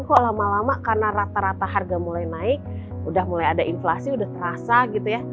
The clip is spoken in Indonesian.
kok lama lama karena rata rata harga mulai naik udah mulai ada inflasi udah terasa gitu ya